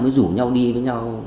mới rủ nhau đi với nhau